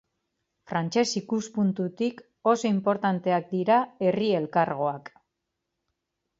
Frantsez ikuspuntutik, oso inportanteak dira herri-elkargoak.